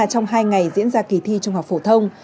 trong hai ngày diễn ra kỳ thi trung học phổ thông